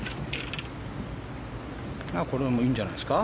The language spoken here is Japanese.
いいんじゃないですか。